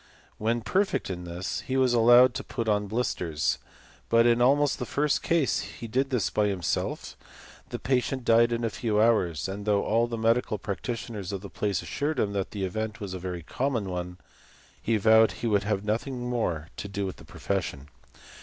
When perfect in this, he was allowed to put on blisters ; but in almost the first case he did this by himself, the patient died in a few hours, and though all the medical practitioners of the place assured him that "the event was a very common one" he vowed he would have nothing more to do with the profession.